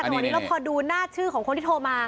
ตอนนี้พอดูหน้าชื่อของคนที่โทรมา